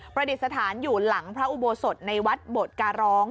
ประดิษฐานอยู่หลังพระอุโบสถในวัดโบดการร้อง